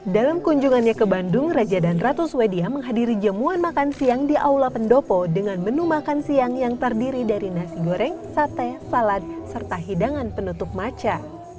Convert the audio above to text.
dalam kunjungannya ke bandung raja dan ratu swedia menghadiri jamuan makan siang di aula pendopo dengan menu makan siang yang terdiri dari nasi goreng sate salad serta hidangan penutup maca